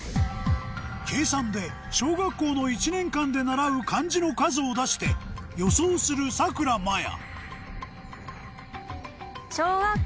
計算で小学校の１年間で習う漢字の数を出して予想するさくらまや